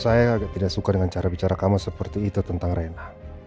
saya agak tidak suka dengan cara bicara kamar seperti itu tentang rena